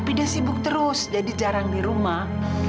tapi dia sibuk terus jadi jarang di rumah